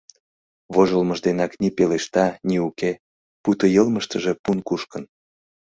Вожылмыж денак ни пелешта, ни уке, пуйто йылмыштыже пун кушкын.